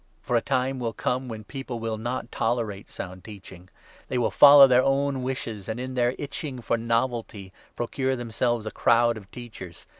For a time will come when people will not tolerate sound 3 teaching. They will follow their own wishes, and, in their itching for novelty, procure themselves a crowd of teachers.